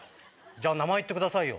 じゃあ名前言ってくださいよ。